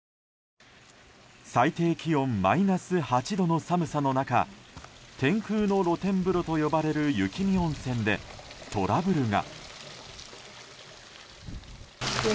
最低気温マイナス８度の寒さの中天空の露天風呂と呼ばれる雪見温泉でトラブルが。